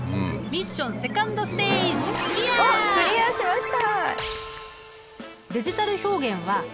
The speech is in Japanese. ミッションセカンドステージおっクリアしました！